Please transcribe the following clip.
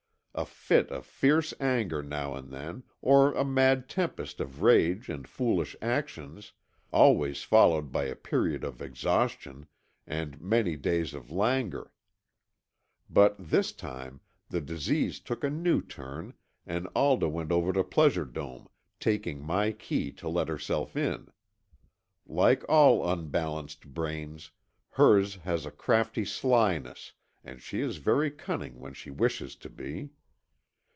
A fit of fierce anger now and then, or a mad tempest of rage and foolish actions, always followed by a period of exhaustion and many days of languor. But this time, the disease took a new turn, and Alda went over to Pleasure Dome, taking my key to let herself in. Like all unbalanced brains, hers has a crafty slyness and she is very cunning when she wishes to be.